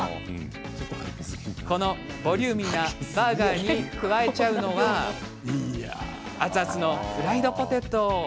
このボリューミーなバーガーに加えるのは熱々のフライドポテト。